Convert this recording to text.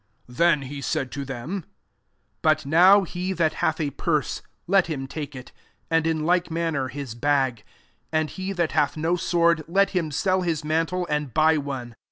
36 Then he said to them, But now he that hath a purse, let him take it ; and in like manner hU bag : and he that hath no sword, let him sell his mantle, and buy one.